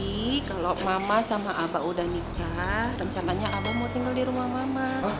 kalau mama sama abah udah nikah rencananya abah mau tinggal di rumah mama